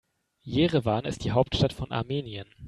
Jerewan ist die Hauptstadt von Armenien.